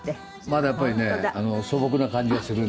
まだやっぱりね素朴な感じがするんですよ。